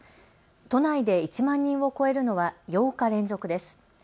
都内で１万人を超えるのは８日連続です。